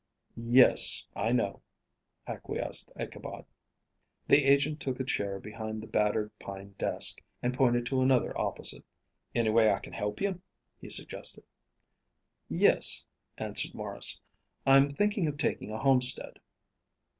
"Yes, I know," acquiesced Ichabod. The agent took a chair behind the battered pine desk, and pointed to another opposite. "Any way I can help you?" he suggested. "Yes," answered Maurice. "I'm thinking of taking a homestead."